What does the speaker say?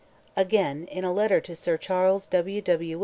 Again, in a letter to Sir Charles W. W.